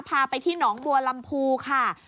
พาไปที่หนองบัวลำพูค่ะ